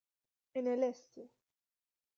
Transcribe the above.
En el Este.